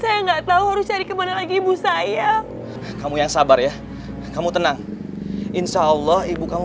saya enggak tahu harus cari kemana lagi ibu saya kamu yang sabar ya kamu tenang insya allah ibu kamu